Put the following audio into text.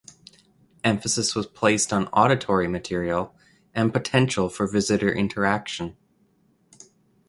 Emphasis was placed on auditory material and potential for visitor interaction.